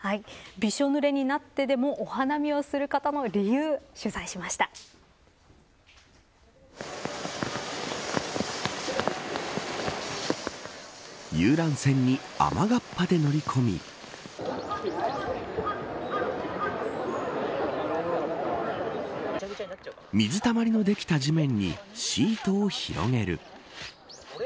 びしょぬれになってでもお花見をする方の理由遊覧船に雨がっぱで乗り込み水たまりのできた地面にシートを広げる。